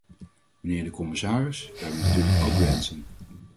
Mijnheer de commissaris, we hebben natuurlijk ook wensen.